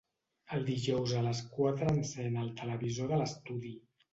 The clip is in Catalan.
Els dijous a les quatre encèn el televisor de l'estudi.